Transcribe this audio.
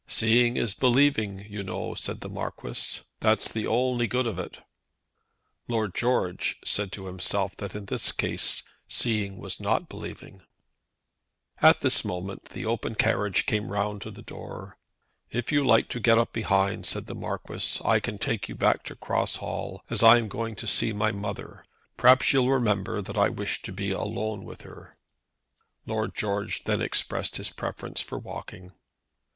"Seeing is believing, you know," said the Marquis; "that's the only good of it." Lord George said to himself that in this case seeing was not believing. At this moment the open carriage came round to the door. "If you like to get up behind," said the Marquis, "I can take you back to Cross Hall, as I am going to see my mother. Perhaps you'll remember that I wish to be alone with her." Lord George then expressed his preference for walking.